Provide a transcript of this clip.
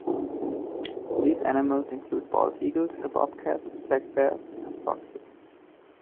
These animals include bald eagles, a bobcat, black bears and foxes.